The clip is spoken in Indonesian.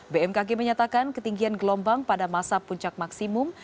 bmkg menyatakan ketinggian gelombang pada masa puncak maksimum